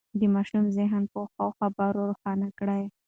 د ماشومانو ذهن په ښو خبرو روښانه کړئ.